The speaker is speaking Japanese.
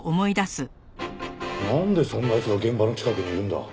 なんでそんな奴が現場の近くにいるんだ？